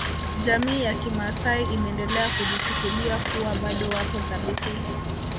Jamii ya kimaasai imeendelea kujichukulia kuwa bado wapo thabiti